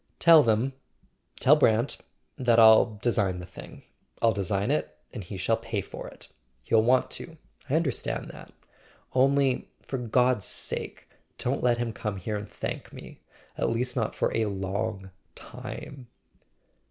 "Tell them—tell Brant—that I'll design the thing; I'll design it, and he shall pay for it. He'll want to—I understand that. Only, for God's sake, don't let him come here and thank me—at least not for a long time!"